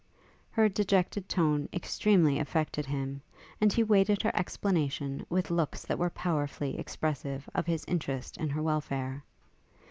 Her dejected tone extremely affected him, and he waited her explanation with looks that were powerfully expressive of his interest in her welfare.